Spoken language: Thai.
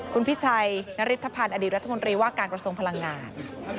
คุณพิชัยนริพันธ์อดีตรัฐมนตรีว่าการกระทรวงพลังงาน